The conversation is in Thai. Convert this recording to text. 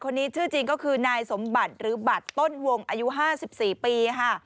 คนนี้ชื่อจริงก็คือนายสมบัติหรือบัตรต้นวงอายุ๕๔ปีค่ะ